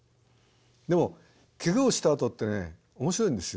でもケガをしたあとってね面白いんですよ。